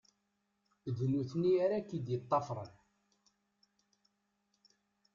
D nutenti ara ak-id-ṭṭafern.